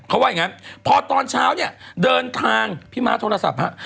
เขาว่าอย่างนั้นพอตอนเช้าเนี่ยเดินทางพี่ม้าโทรศัพท์ฮะ